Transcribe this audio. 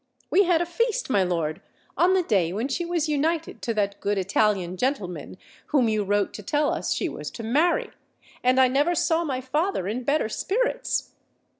We had a feast, my lord, on the day when she was united to that good Italian gentleman whom you wrote to tell us she was to marry; and I never saw my father in better spirits.